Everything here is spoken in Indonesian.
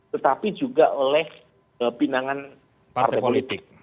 tetapi juga oleh pinangan partai politik